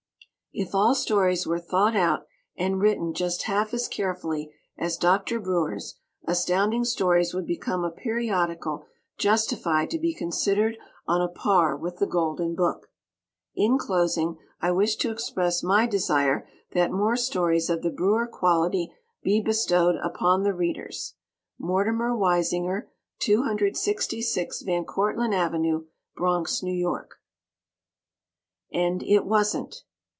If all stories were thought out and written just half as carefully as Dr. Breuer's, Astounding Stories would become a periodical justified to be considered on a par with The Golden Book. In closing, I wish to express my desire that more stories of the Breuer quality be bestowed upon the Readers. Mortimer Weisinger, 266 Van Cortland Ave., Bronx, New York. _And It Wasn't!